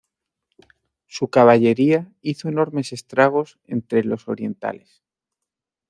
Su caballería hizo enormes estragos entre los orientales.